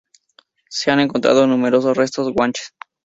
Se han encontrado numerosos restos guanches.